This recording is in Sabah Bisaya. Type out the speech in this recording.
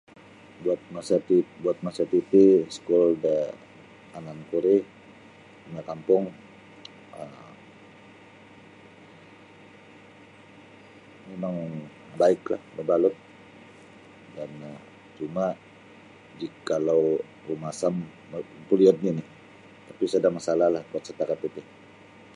Buat masa ti buat masa titi iskul da ananku ri da kampung um mimang baiklah mabalut dan cuma bila rumasam mepeliud nini tapi sada masalahlah setakat titi.